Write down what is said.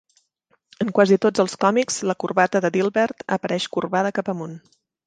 En quasi tots els còmics, la corbata de Dilbert apareix corbada cap amunt.